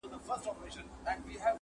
• پرې کرم د اِلهي دی,